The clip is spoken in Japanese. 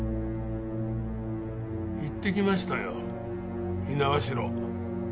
行ってきましたよ猪苗代。